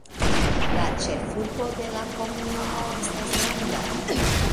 La ĉefurbo de la komunumo estas Landa.